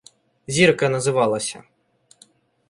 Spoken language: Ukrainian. Зірка називалася.